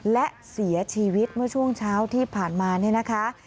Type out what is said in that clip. และเสียชีวิตเมื่อช่วงเช้าที่ผ่านมาเนี่ยนะคะ